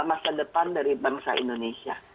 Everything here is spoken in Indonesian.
masa depan dari bangsa indonesia